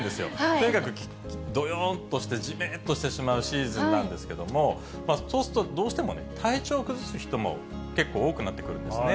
とにかくどよんとして、じめっとしてしまうシーズンなんですけれども、そうするとどうしても、体調を崩す人も結構多くなってくるんですね。